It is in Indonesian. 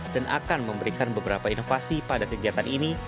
dan akan memberikan beberapa inovasi pada kegiatan ini